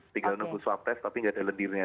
tinggal nunggu swab test tapi nggak ada lendirnya